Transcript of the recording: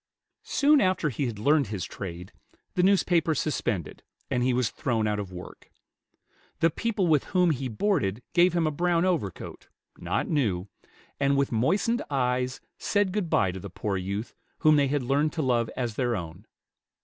Soon after he had learned his trade, the newspaper suspended, and he was thrown out of work. The people with whom he boarded gave him a brown overcoat, not new, and with moistened eyes said good by to the poor youth whom they had learned to love as their own.